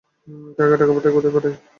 কাকে টাকা পাঠাই, কোথায় পাঠাই।